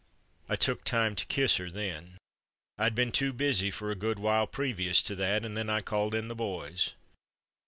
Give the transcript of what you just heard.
"I took time to kiss her then. I'd been too busy for a good while previous to that, and then I called in the boys.